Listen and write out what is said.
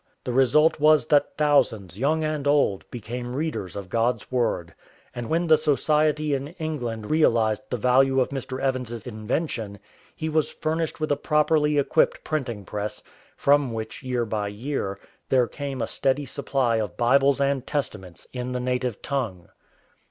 The result was that thousands, young and old, became readers of God's Word. And when the Society in England realized the value of Mr. Evans''s invention, he was furnished with a properly equipped printing press, from which, year by year, there came a steady supply of Bibles and Testaments in the native tongue.